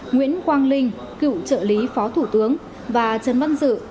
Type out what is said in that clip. nguyễn quang linh cựu trợ lý phó thủ tướng và trần văn dự